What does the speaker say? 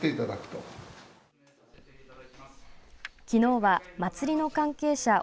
きのうは祭りの関係者